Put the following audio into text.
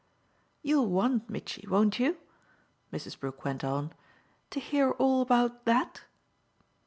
You'll want, Mitchy, won't you?" Mrs. Brook went on, "to hear all about THAT?"